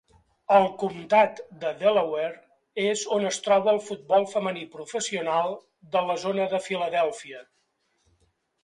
El comptat de Delaware és on es troba el futbol femení professional de la zona de Philadelphia.